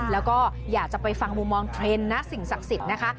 แล้วก็อยากจะไปฟังมุมมองเทรนด์นะสิ่งศักดิ์สิทธิ์นะคะ